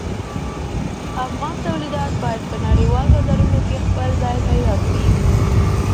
افغان تولیدات باید په نړیوالو بازارونو کې خپل ځای پیدا کړي.